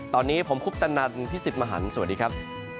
ตอนนี้ผมคุปตนันพี่สิทธิ์มหันฯสวัสดีครับ